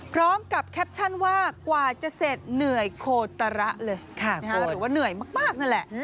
พร้อมกับแคปชั่นว่ากว่าจะเสร็จเหนื่อยโคตระเลยหรือว่าเหนื่อยมากนั่นแหละ